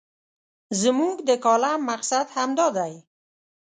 زموږ د کالم مقصد همدا دی.